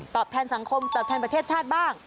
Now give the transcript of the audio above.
แทนสังคมตอบแทนประเทศชาติบ้าง